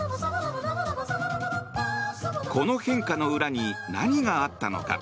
この変化の裏に何があったのか。